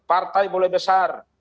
partai boleh besar